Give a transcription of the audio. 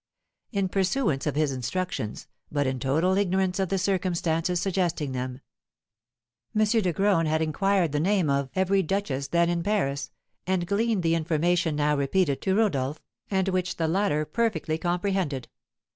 In pursuance of his instructions, but in total ignorance of the circumstances suggesting them, M. de Graün had inquired the name of every duchess then in Paris, and gleaned the information now repeated to Rodolph, and which the latter perfectly comprehended.